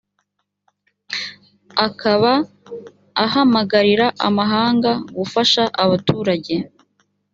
akaba ahamagarira amahanga gufasha abaturage